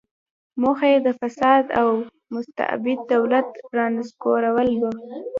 موخه یې د فاسد او مستبد دولت رانسکورول و.